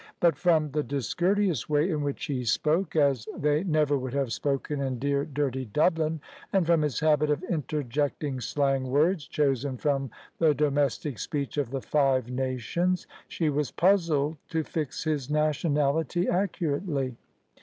But from the discourteous way in which he spoke as they never would have spoken in dear dirty Dublin and from his habit of interjecting slang words chosen from the domestic speech of the Five Nations, she was puzzled to fix his nationality accurately.